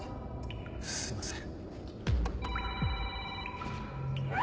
すいません。